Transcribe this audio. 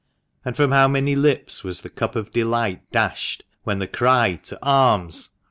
And from how many lips was the cup of delight dashed when the cry "To arms!"